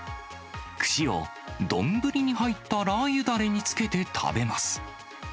串を丼に入ったラー油だれにつけて食べます。